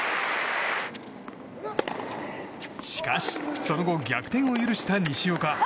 しかしその後、逆転を許した西岡。